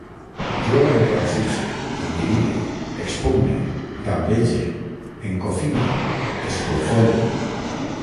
Jo enrancisc, intimide, expugne, gambege, encofine, esclofolle